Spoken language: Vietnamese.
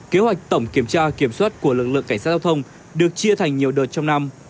kế hoạch tổng kiểm tra kiểm soát của lực lượng cảnh sát giao thông được chia thành nhiều đợt trong năm